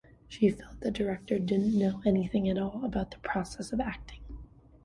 She felt the director didn't know anything at all about the process of acting.